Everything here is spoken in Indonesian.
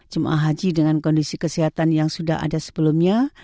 jemaah haji dengan kondisi kesehatan yang sudah ada sebelumnya